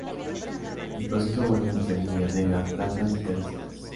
El proceso vuelve las semillas negras, blandas y casi secas.